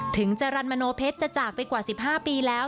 ถึงจารันดิ์มโนเผ็ดจะจากไปกว่า๑๕ปีแล้ว